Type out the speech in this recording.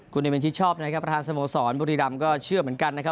คุณเอเมนชิดชอบนะครับประธานสโมสรบุรีรำก็เชื่อเหมือนกันนะครับ